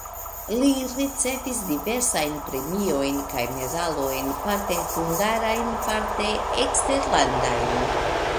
Li ricevis diversajn premiojn kaj medalojn parte hungarajn, parte eksterlandajn.